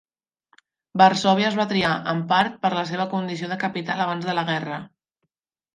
Varsòvia es va triar, en part, per la seva condició de capital abans de la guerra.